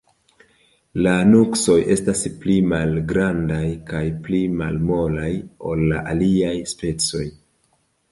La nuksoj estas pli malgrandaj kaj pli malmolaj, ol la aliaj specioj.